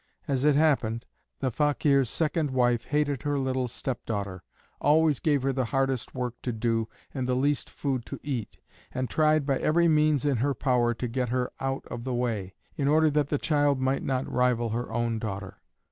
As it happened, the Fakeer's second wife hated her little stepdaughter, always gave her the hardest work to do and the least food to eat, and tried by every means in her power to get her out of the way, in order that the child might not rival her own daughter.